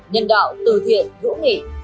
nhân đạo từ thiện hữu nghị